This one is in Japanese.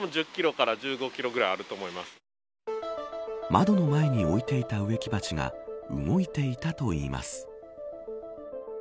窓の前に置いていた植木鉢が動いていたといいます。